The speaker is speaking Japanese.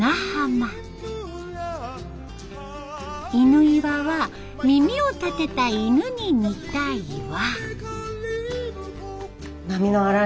犬岩は耳を立てた犬に似た岩。